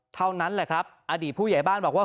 เท่านั้นแหละครับอดีตผู้ใหญ่บ้านบอกว่า